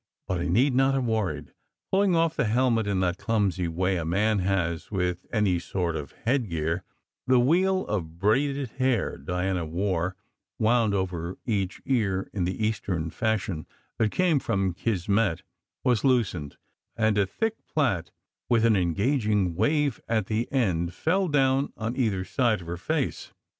But I need not have worried. Pulling off the helmet in that clumsy way a man has with any sort of headgear, the wheel of braided hair Diana wore, wound over each ear in the Eastern fashion that came from "Kismet," was loosened, and a thick plait with an engaging wave at the end fell down on either side of her face.